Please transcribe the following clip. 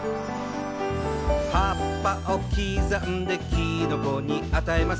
「葉っぱを刻んできのこにあたえます」